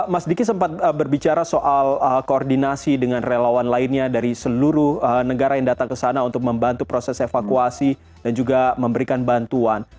mas diki sempat berbicara soal koordinasi dengan relawan lainnya dari seluruh negara yang datang ke sana untuk membantu proses evakuasi dan juga memberikan bantuan